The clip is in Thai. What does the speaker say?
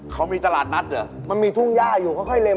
เขามีตลาดนัดเหรอมันมีทุ่งย่าอยู่ค่อยเล็ม